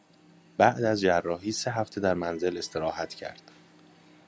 بعد از جراحی سه هفته در منزل استراحت کرد.